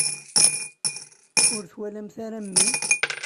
Ur twalamt ara memmi?